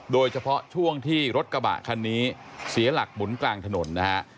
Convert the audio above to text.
โดยเฉพาะช่วงที่รถกระบะคันนี้เสียหลักหมุนกลางถนนนะฮะ